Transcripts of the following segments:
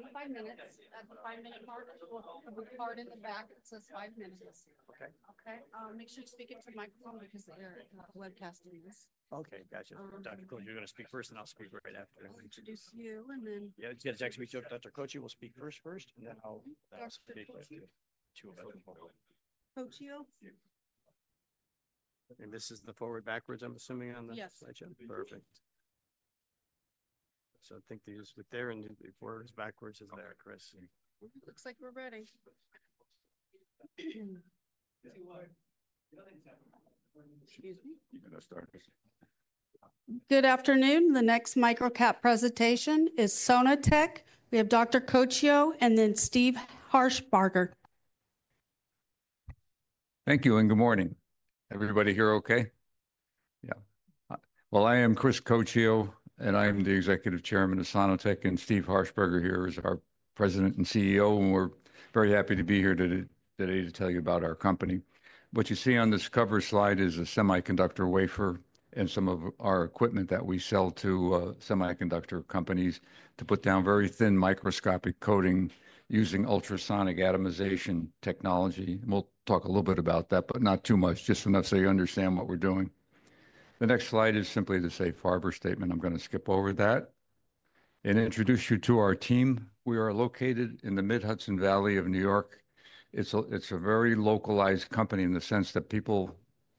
Forty-five minutes. At the five-minute mark, we'll have a card in the back that says five minutes. Okay. Okay? Make sure you speak into the microphone because they're webcasting this. Okay. Gotcha. Dr. Coccio, you're gonna speak first, and I'll speak right after. Introduce you, and then. Yeah. He's gonna text me to Dr. Coccio. We'll speak first, first, and then I'll speak to you. Dr. Coccio. To a phone call. Coccio? This is the forward, backwards, I'm assuming, on the slide show? Yes. Perfect. I think these look there, and the words backwards are there, Chris. Looks like we're ready. Excuse me? You can start. Good afternoon. The next MicroCap presentation is Sono-Tek. We have Dr. Coccio and then Steve Harshbarger. Thank you, and good morning. Everybody here okay? Yeah. I am Chris Coccio, and I am the Executive Chairman of Sono-Tek, and Steve Harshbarger here is our President and CEO, and we're very happy to be here today to tell you about our company. What you see on this cover slide is a semiconductor wafer and some of our equipment that we sell to semiconductor companies to put down very thin microscopic coating using ultrasonic atomization technology. We'll talk a little bit about that, but not too much, just enough so you understand what we're doing. The next slide is simply the safe harbor statement. I'm gonna skip over that and introduce you to our team. We are located in the Mid-Hudson Valley of New York. It's a very localized company in the sense that people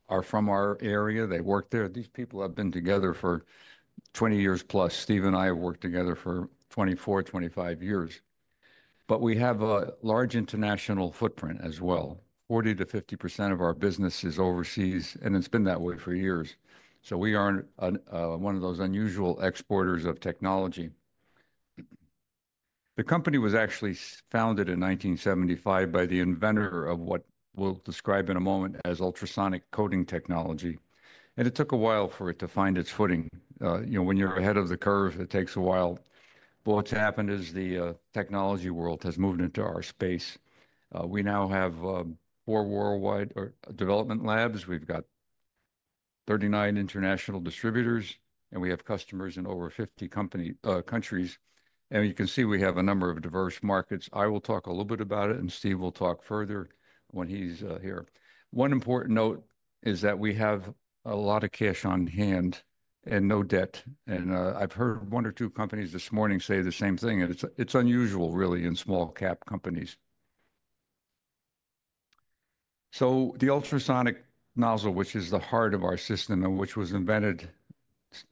are from our area. They work there. These people have been together for 20 years plus. Steve and I have worked together for 24, 25 years. We have a large international footprint as well. 40% - 50% of our business is overseas, and it's been that way for years. We are one of those unusual exporters of technology. The company was actually founded in 1975 by the inventor of what we'll describe in a moment as ultrasonic coating technology. It took a while for it to find its footing. You know, when you're ahead of the curve, it takes a while. What's happened is the technology world has moved into our space. We now have four worldwide development labs. We've got 39 international distributors, and we have customers in over 50 countries. You can see we have a number of diverse markets. I will talk a little bit about it, and Steve will talk further when he's here. One important note is that we have a lot of cash on hand and no debt. I've heard one or two companies this morning say the same thing, and it's unusual, really, in small-cap companies. The ultrasonic nozzle, which is the heart of our system, and which was invented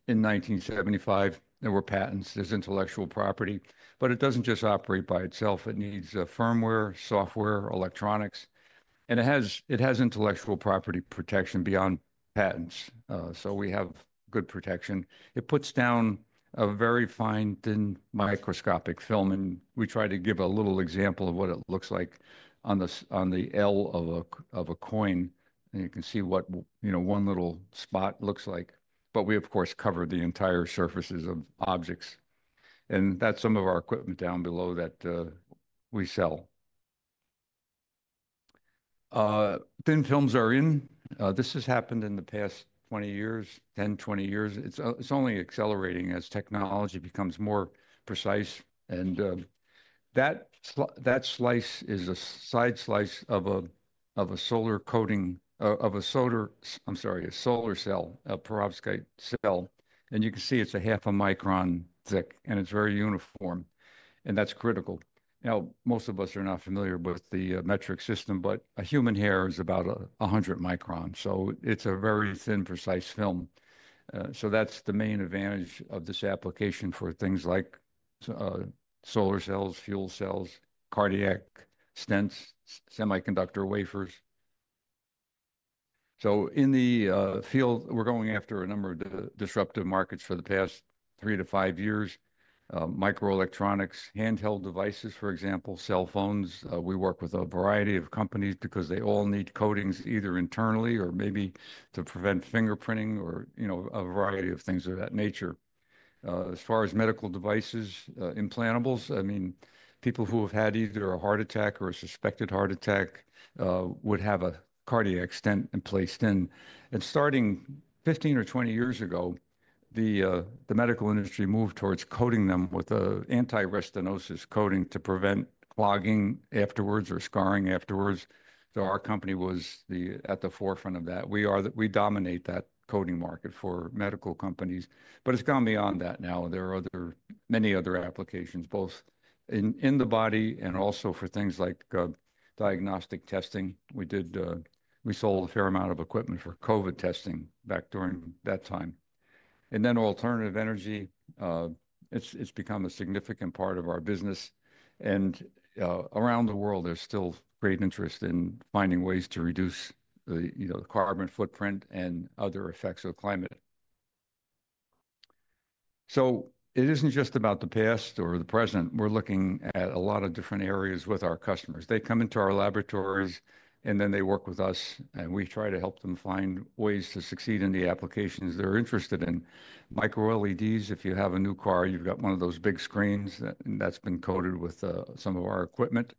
in 1975, there were patents. There's intellectual property. It doesn't just operate by itself. It needs firmware, software, electronics, and it has intellectual property protection beyond patents. We have good protection. It puts down a very fine thin microscopic film, and we try to give a little example of what it looks like on the L of a coin. You can see what, you know, one little spot looks like. We, of course, cover the entire surfaces of objects. That's some of our equipment down below that we sell. Thin films are in. This has happened in the past 20 years, 10, 20 years. It's only accelerating as technology becomes more precise. That slice is a side slice of a solar coating, of a solar, I'm sorry, a solar cell, a perovskite cell. You can see it's a half a micron thick, and it's very uniform, and that's critical. Now, most of us are not familiar with the metric system, but a human hair is about 100 microns. So it's a very thin, precise film. That's the main advantage of this application for things like solar cells, fuel cells, cardiac stents, semiconductor wafers. In the field, we're going after a number of disruptive markets for the past three to five years. Microelectronics, handheld devices, for example, cell phones. We work with a variety of companies because they all need coatings either internally or maybe to prevent fingerprinting or, you know, a variety of things of that nature. As far as medical devices, implantables, I mean, people who have had either a heart attack or a suspected heart attack would have a cardiac stent placed in. Starting 15 years or 20 years ago, the medical industry moved towards coating them with an anti-restenosis coating to prevent clogging afterwards or scarring afterwards. Our company was at the forefront of that. We dominate that coating market for medical companies. It's gone beyond that now. There are other, many other applications, both in the body and also for things like diagnostic testing. We did, we sold a fair amount of equipment for COVID testing back during that time. Alternative energy, it's become a significant part of our business. Around the world, there's still great interest in finding ways to reduce the, you know, the carbon footprint and other effects of climate. It isn't just about the past or the present. We're looking at a lot of different areas with our customers. They come into our laboratories, and then they work with us, and we try to help them find ways to succeed in the applications they're interested in. Micro-LEDs, if you have a new car, you've got one of those big screens that, that's been coated with some of our equipment.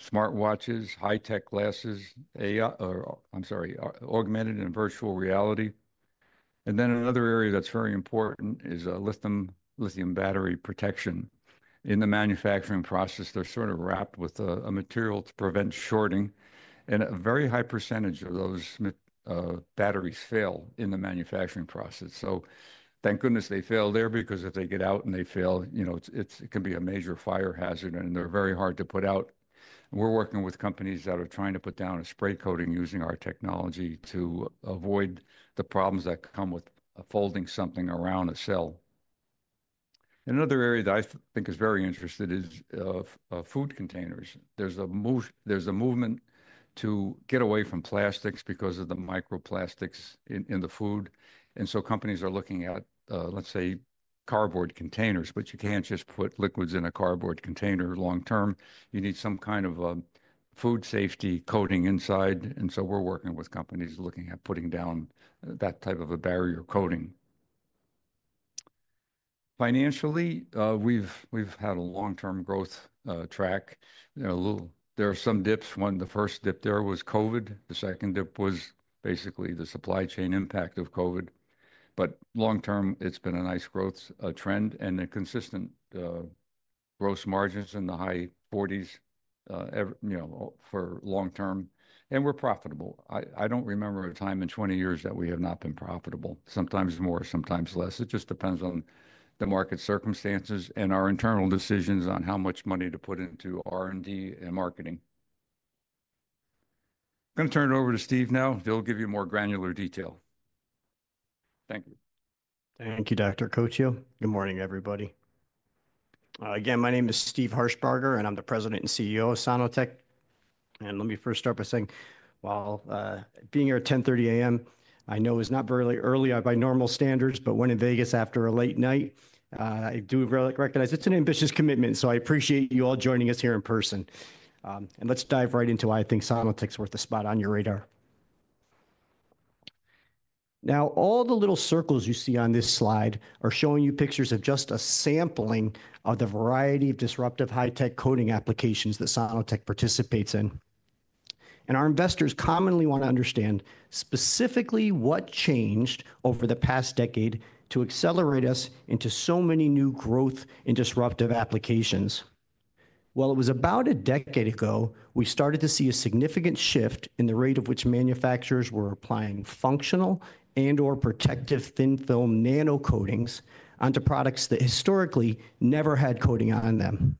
Smartwatches, high-tech glasses, AI, or I'm sorry, augmented and virtual reality. Another area that's very important is lithium, lithium battery protection. In the manufacturing process, they're sort of wrapped with a material to prevent shorting. A very high percentage of those batteries fail in the manufacturing process. Thank goodness they fail there because if they get out and they fail, you know, it can be a major fire hazard, and they're very hard to put out. We're working with companies that are trying to put down a spray coating using our technology to avoid the problems that come with folding something around a cell. Another area that I think is very interesting is food containers. There's a movement to get away from plastics because of the microplastics in the food. Companies are looking at, let's say, cardboard containers, but you can't just put liquids in a cardboard container long-term. You need some kind of a food safety coating inside. We're working with companies looking at putting down that type of a barrier coating. Financially, we've had a long-term growth track. There are a little—there are some dips. One, the first dip there was COVID. The second dip was basically the supply chain impact of COVID. Long-term, it's been a nice growth trend and consistent gross margins in the high 40s, ever, you know, for long-term. We're profitable. I don't remember a time in 20 years that we have not been profitable. Sometimes more, sometimes less. It just depends on the market circumstances and our internal decisions on how much money to put into R&D and marketing. I'm gonna turn it over to Steve now. He'll give you more granular detail. Thank you. Thank you, Dr. Coccio. Good morning, everybody. Again, my name is Steve Harshbarger, and I'm the President and CEO of Sono-Tek. Let me first start by saying, being here at 10:30 A.M., I know is not very early by normal standards, but when in Vegas after a late night, I do recognize it's an ambitious commitment. I appreciate you all joining us here in person. Let's dive right into why I think Sono-Tek's worth a spot on your radar. Now, all the little circles you see on this slide are showing you pictures of just a sampling of the variety of disruptive high-tech coating applications that Sono-Tek participates in. Our investors commonly want to understand specifically what changed over the past decade to accelerate us into so many new growth and disruptive applications. It was about a decade ago we started to see a significant shift in the rate of which manufacturers were applying functional and/or protective thin film nano coatings onto products that historically never had coating on them.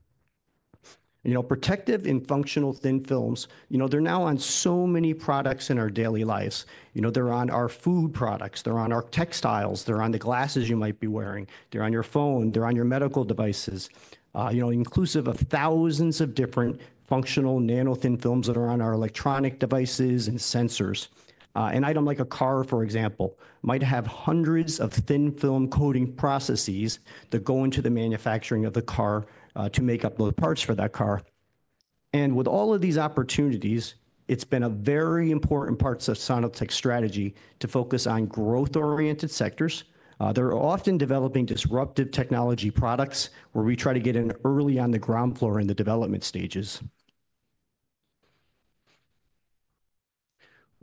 You know, protective and functional thin films, you know, they're now on so many products in our daily lives. You know, they're on our food products, they're on our textiles, they're on the glasses you might be wearing, they're on your phone, they're on your medical devices. You know, inclusive of thousands of different functional nano-thin films that are on our electronic devices and sensors. An item like a car, for example, might have hundreds of thin-film coating processes that go into the manufacturing of the car, to make up the parts for that car. With all of these opportunities, it's been a very important part of Sono-Tek's strategy to focus on growth-oriented sectors. They're often developing disruptive technology products where we try to get in early on the ground floor in the development stages.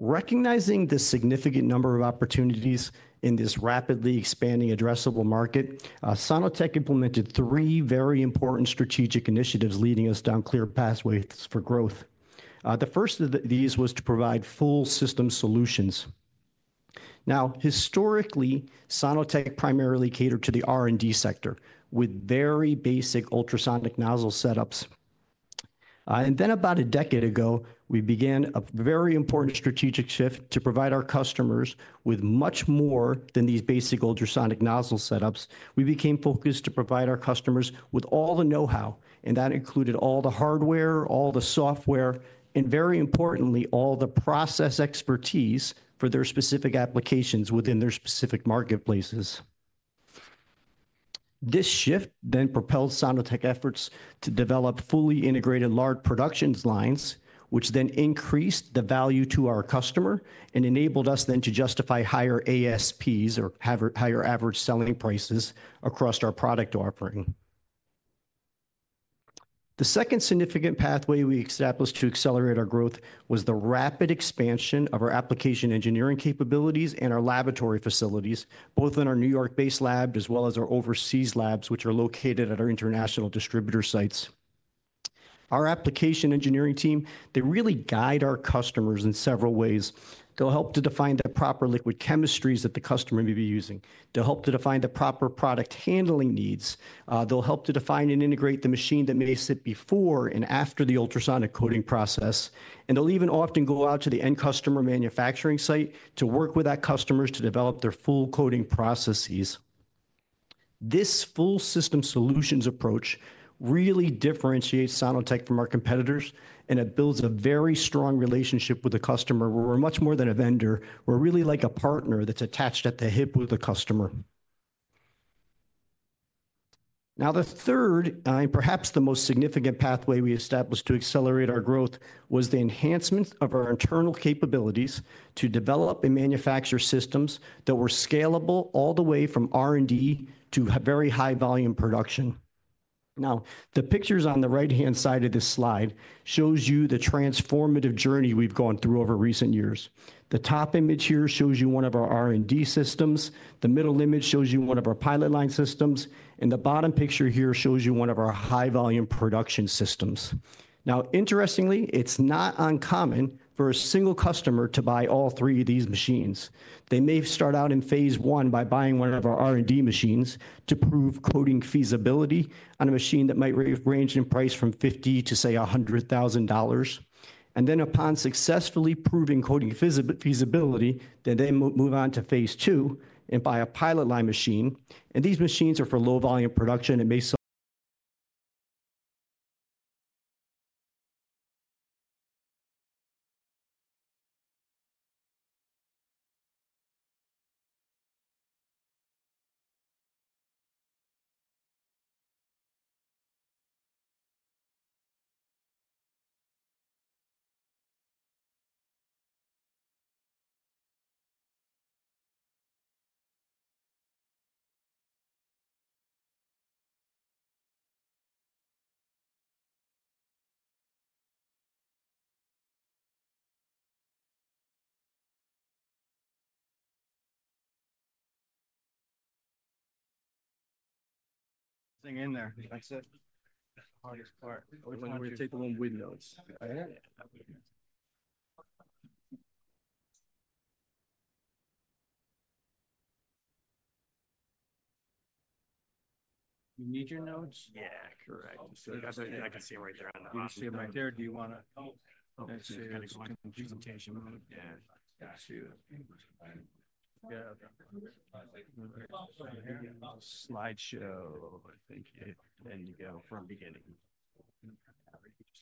Recognizing the significant number of opportunities in this rapidly expanding addressable market, Sono-Tek implemented three very important strategic initiatives leading us down clear pathways for growth. The first of these was to provide full system solutions. Now, historically, Sono-Tek primarily catered to the R&D sector with very basic ultrasonic nozzle setups. And then about a decade ago, we began a very important strategic shift to provide our customers with much more than these basic ultrasonic nozzle setups. We became focused to provide our customers with all the know-how, and that included all the hardware, all the software, and very importantly, all the process expertise for their specific applications within their specific marketplaces. This shift then propelled Sono-Tek efforts to develop fully integrated large production lines, which then increased the value to our customer and enabled us then to justify higher ASPs or higher, higher average selling prices across our product offering. The second significant pathway we established to accelerate our growth was the rapid expansion of our application engineering capabilities and our laboratory facilities, both in our New York-based lab as well as our overseas labs, which are located at our international distributor sites. Our application engineering team, they really guide our customers in several ways. They'll help to define the proper liquid chemistries that the customer may be using. They'll help to define the proper product handling needs. They'll help to define and integrate the machine that may sit before and after the ultrasonic coating process. They'll even often go out to the end customer manufacturing site to work with that customer to develop their full coating processes. This full system solutions approach really differentiates Sono-Tek from our competitors, and it builds a very strong relationship with the customer. We're much more than a vendor. We're really like a partner that's attached at the hip with the customer. Now, the third, and perhaps the most significant pathway we established to accelerate our growth was the enhancement of our internal capabilities to develop and manufacture systems that were scalable all the way from R&D to very high volume production. Now, the pictures on the right-hand side of this slide show you the transformative journey we've gone through over recent years. The top image here shows you one of our R&D systems. The middle image shows you one of our pilot line systems. The bottom picture here shows you one of our high-volume production systems. Interestingly, it's not uncommon for a single customer to buy all three of these machines. They may start out in phase one by buying one of our R&D machines to prove coating feasibility on a machine that might range in price from $50,000 to, say, $100,000. Upon successfully proving coating feasibility, they move on to phase two and buy a pilot line machine. These machines are for low volume production. It may. Slideshow, I think it. There you go from beginning.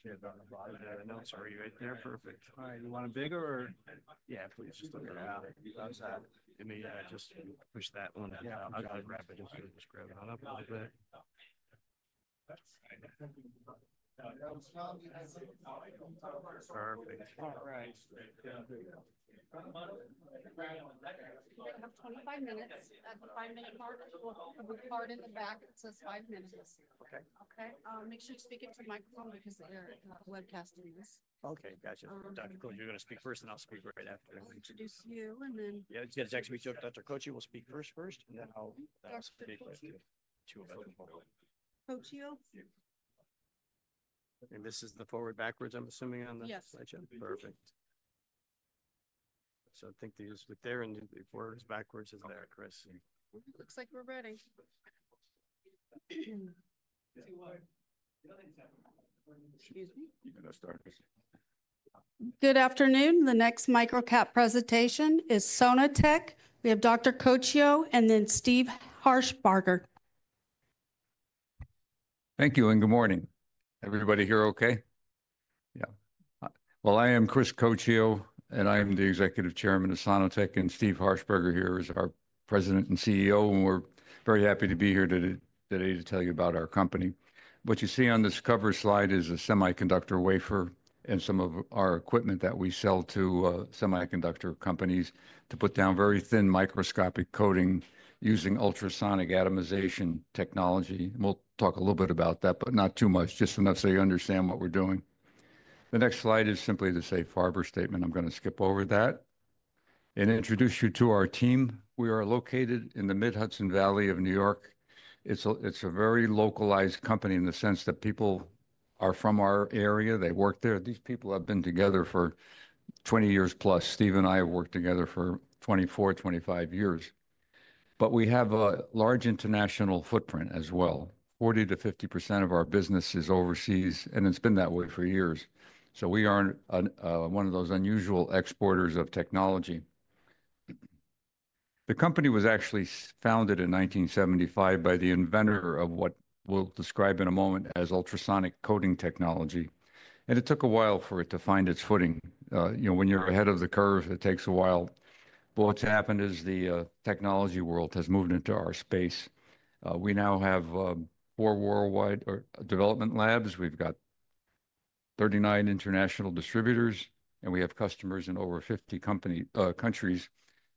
Are you right there? Perfect. All right. You want a bigger or? Yeah, please just look at that. How's that? Let me just push that one. Yeah, I'll grab it and scrub that up a little bit. Perfect. All right. You're gonna have 25 minutes. That's a five-minute mark. We'll have a card in the back that says five minutes. Okay. Okay. Make sure to speak into the microphone because they're webcasting this. Okay. Gotcha. Dr. Coccio, you're gonna speak first, and I'll speak right after. I'll introduce you, and then. Yeah. Just gotta text me to Dr. Coccio. We'll speak first, first, and then I'll speak to you about. Coccio. This is the forward backwards, I'm assuming, on the slideshow? Yes. Perfect. I think these with there and forwards backwards is there, Chris. Looks like we're ready. Excuse me? You gonna start. Good afternoon. The next micro-cap presentation is Sono-Tek. We have Dr. Coccio and then Steve Harshbarger. Thank you and good morning. Everybody here okay? Yeah. I am Chris Coccio, and I am the Executive Chairman of Sono-Tek, and Steve Harshbarger here is our President and CEO. We are very happy to be here today to tell you about our company. What you see on this cover slide is a semiconductor wafer and some of our equipment that we sell to semiconductor companies to put down very thin microscopic coating using ultrasonic atomization technology. We'll talk a little bit about that, but not too much, just enough so you understand what we're doing. The next slide is simply the safe harbor statement. I'm gonna skip over that and introduce you to our team. We are located in the Mid-Hudson Valley of New York. It's a very localized company in the sense that people are from our area. They work there. These people have been together for 20 years plus. Steve and I have worked together for 24, 25 years. We have a large international footprint as well. 40% - 50% of our business is overseas, and it's been that way for years. We are one of those unusual exporters of technology. The company was actually founded in 1975 by the inventor of what we'll describe in a moment as ultrasonic coating technology. It took a while for it to find its footing. You know, when you're ahead of the curve, it takes a while. What's happened is the technology world has moved into our space. We now have four worldwide development labs. We've got 39 international distributors, and we have customers in over 50 countries.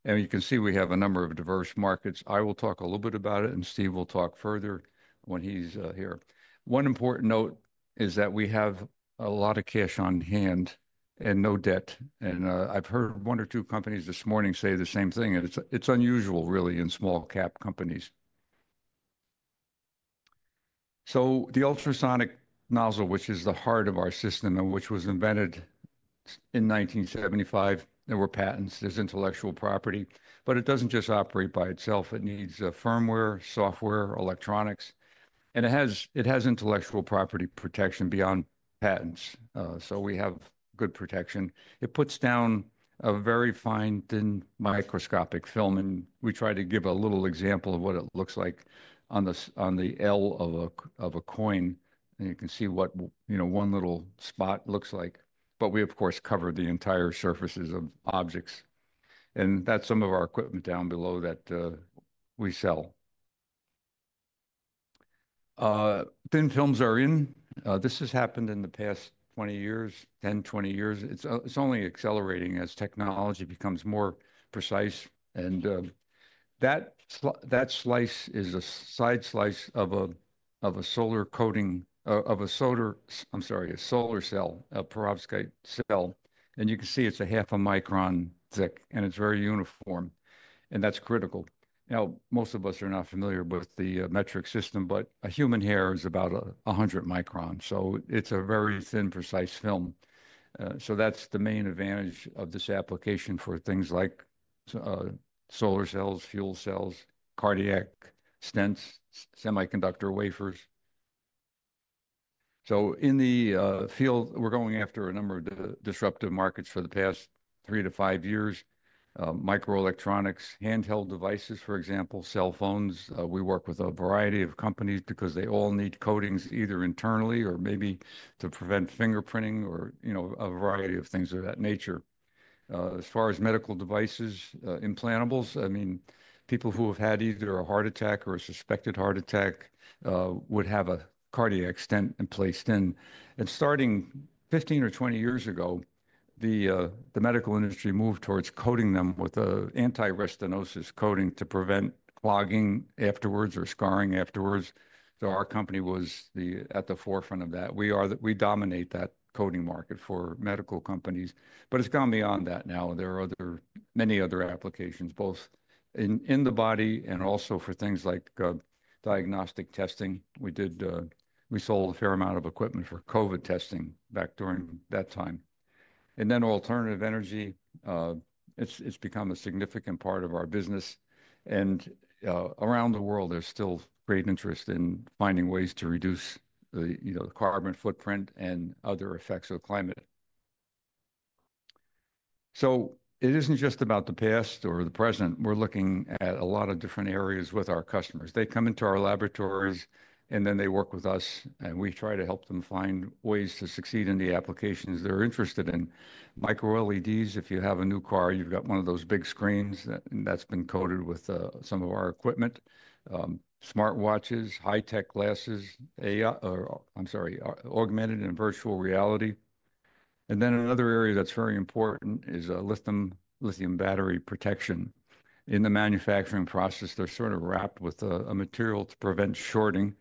You can see we have a number of diverse markets. I will talk a little bit about it, and Steve will talk further when he's here. One important note is that we have a lot of cash on hand and no debt. I've heard one or two companies this morning say the same thing. It's unusual, really, in small cap companies. The ultrasonic nozzle, which is the heart of our system, which was invented in 1975, there were patents. There's intellectual property, but it doesn't just operate by itself. It needs firmware, software, electronics, and it has intellectual property protection beyond patents. We have good protection. It puts down a very fine thin microscopic film. We try to give a little example of what it looks like on the L of a coin. You can see what, you know, one little spot looks like. We, of course, cover the entire surfaces of objects. That's some of our equipment down below that we sell. Thin films are in. This has happened in the past 20 years, 10, 20 years. It's only accelerating as technology becomes more precise. That slice is a side slice of a solar coating, of a solar, I'm sorry, a solar cell, a perovskite cell. You can see it's a half a micron thick, and it's very uniform. That's critical. Now, most of us are not familiar with the metric system, but a human hair is about 100 microns. So it's a very thin, precise film. That's the main advantage of this application for things like solar cells, fuel cells, cardiac stents, semiconductor wafers. In the field, we're going after a number of disruptive markets for the past three to five years. Microelectronics, handheld devices, for example, cell phones. We work with a variety of companies because they all need coatings either internally or maybe to prevent fingerprinting or, you know, a variety of things of that nature. As far as medical devices, implantables, I mean, people who have had either a heart attack or a suspected heart attack would have a cardiac stent placed in. Starting 15 or 20 years ago, the medical industry moved towards coating them with an anti-restenosis coating to prevent clogging afterwards or scarring afterwards. Our company was at the forefront of that. We dominate that coating market for medical companies, but it's gone beyond that now. There are many other applications, both in the body and also for things like diagnostic testing. We did, we sold a fair amount of equipment for COVID testing back during that time. Alternative energy, it's become a significant part of our business. Around the world, there's still great interest in finding ways to reduce the, you know, the carbon footprint and other effects of climate. It isn't just about the past or the present. We're looking at a lot of different areas with our customers. They come into our laboratories, and then they work with us, and we try to help them find ways to succeed in the applications they're interested in. Micro-LEDs, if you have a new car, you've got one of those big screens that, and that's been coated with some of our equipment. Smartwatches, high-tech glasses, AI, or I'm sorry, augmented and virtual reality. Another area that's very important is lithium battery protection. In the manufacturing process, they're sort of wrapped with a material to prevent shorting.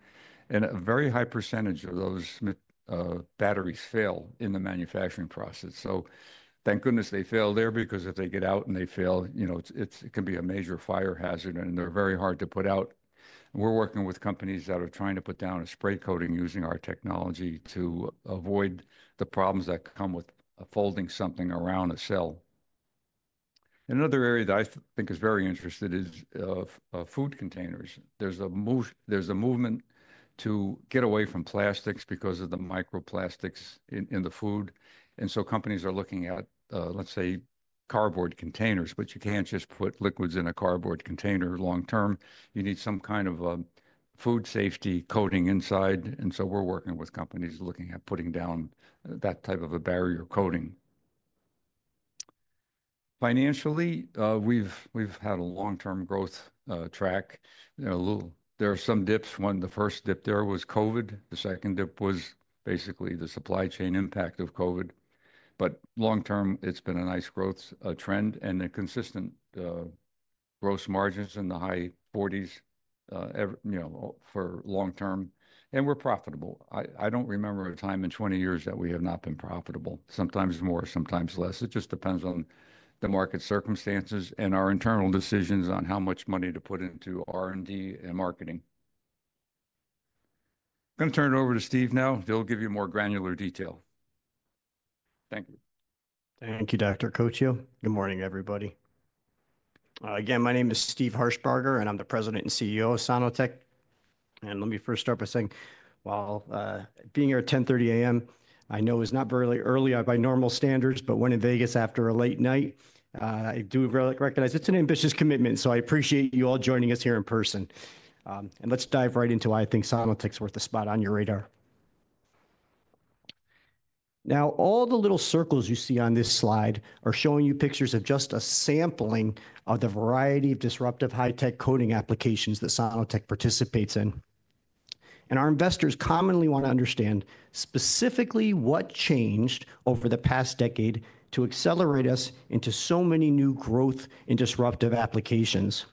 A very high percentage of those batteries fail in the manufacturing process. Thank goodness they fail there because if they get out and they fail, you know, it can be a major fire hazard, and they're very hard to put out. We're working with companies that are trying to put down a spray coating using our technology to avoid the problems that come with folding something around a cell. Another area that I think is very interesting is food containers. There's a motion, there's a movement to get away from plastics because of the microplastics in the food. Companies are looking at, let's say, cardboard containers, but you can't just put liquids in a cardboard container long-term. You need some kind of a food safety coating inside. We're working with companies looking at putting down that type of a barrier coating. Financially, we've had a long-term growth track. There are a little, there are some dips. One, the first dip there was COVID. The second dip was basically the supply chain impact of COVID. Long-term, it's been a nice growth trend and a consistent gross margins in the high forties, ever, you know, for long-term. We're profitable. I don't remember a time in 20 years that we have not been profitable. Sometimes more, sometimes less. It just depends on the market circumstances and our internal decisions on how much money to put into R&D and marketing. I'm gonna turn it over to Steve now. He'll give you more granular detail. Thank you. Thank you, Dr. Coccio. Good morning, everybody. Again, my name is Steve Harshbarger, and I'm the President and CEO of Sono-Tek. Let me first start by saying, being here at 10:30 A.M., I know is not very early by normal standards, but when in Vegas after a late night, I do recognize it's an ambitious commitment. I appreciate you all joining us here in person. Let's dive right into why I think Sono-Tek's worth a spot on your radar. Now, all the little circles you see on this slide are showing you pictures of just a sampling of the variety of disruptive high-tech coating applications that Sono-Tek participates in. Our investors commonly want to understand specifically what changed over the past decade to accelerate us into so many new growth and disruptive applications.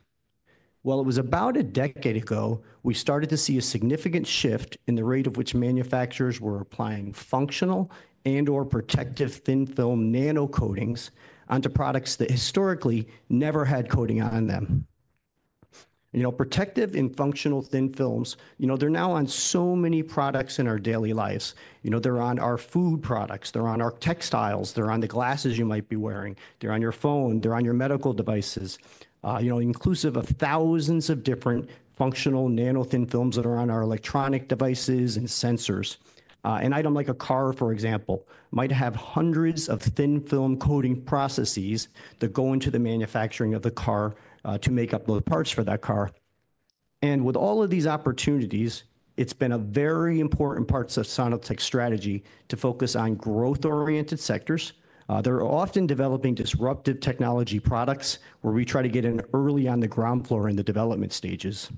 It was about a decade ago we started to see a significant shift in the rate of which manufacturers were applying functional and/or protective thin film nano coatings onto products that historically never had coating on them. You know, protective and functional thin films, you know, they're now on so many products in our daily lives. You know, they're on our food products, they're on our textiles, they're on the glasses you might be wearing, they're on your phone, they're on your medical devices, you know, inclusive of thousands of different functional nano thin films that are on our electronic devices and sensors. An item like a car, for example, might have hundreds of thin film coating processes that go into the manufacturing of the car, to make up those parts for that car. With all of these opportunities, it's been a very important part of Sono-Tek's strategy to focus on growth-oriented sectors. They're often developing disruptive technology products where we try to get in early on the ground floor in the development stages.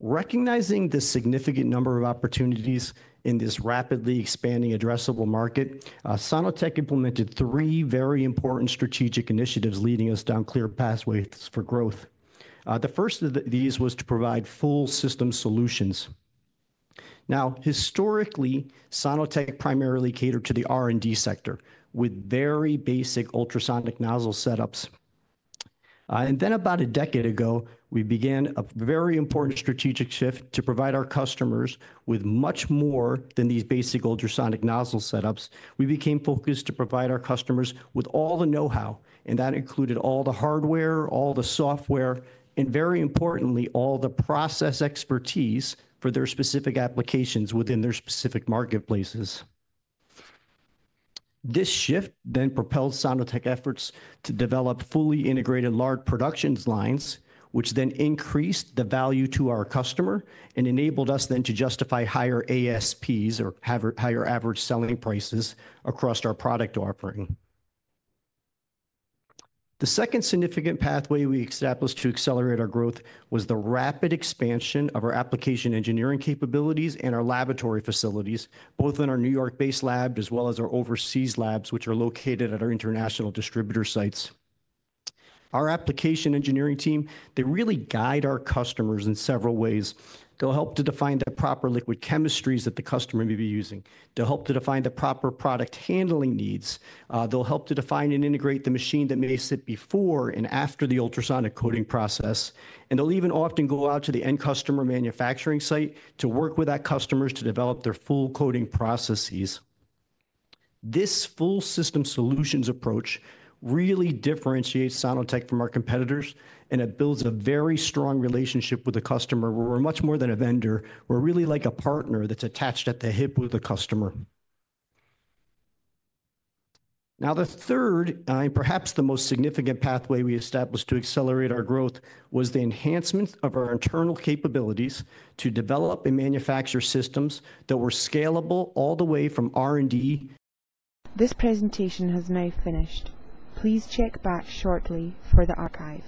Recognizing the significant number of opportunities in this rapidly expanding addressable market, Sono-Tek implemented three very important strategic initiatives leading us down clear pathways for growth. The first of these was to provide full system solutions. Now, historically, Sono-Tek primarily catered to the R&D sector with very basic ultrasonic nozzle setups. And then about a decade ago, we began a very important strategic shift to provide our customers with much more than these basic ultrasonic nozzle setups. We became focused to provide our customers with all the know-how, and that included all the hardware, all the software, and very importantly, all the process expertise for their specific applications within their specific marketplaces. This shift then propelled Sono-Tek efforts to develop fully integrated large production lines, which then increased the value to our customer and enabled us then to justify higher ASPs or have higher average selling prices across our product offering. The second significant pathway we established to accelerate our growth was the rapid expansion of our application engineering capabilities and our laboratory facilities, both in our New York-based labs as well as our overseas labs, which are located at our international distributor sites. Our application engineering team, they really guide our customers in several ways. They'll help to define the proper liquid chemistries that the customer may be using. They'll help to define the proper product handling needs. They'll help to define and integrate the machine that may sit before and after the ultrasonic coating process. They'll even often go out to the end customer manufacturing site to work with that customer to develop their full coating processes. This full system solutions approach really differentiates Sono-Tek from our competitors, and it builds a very strong relationship with the customer. We're much more than a vendor. We're really like a partner that's attached at the hip with the customer. Now, the third, and perhaps the most significant pathway we established to accelerate our growth was the enhancement of our internal capabilities to develop and manufacture systems that were scalable all the way from R&D. This presentation has now finished. Please check back shortly for the archive.